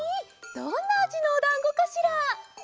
どんなあじのおだんごかしら？